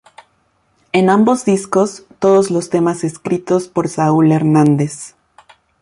En ambos discos, todos los temas escritos por Saúl Hernández.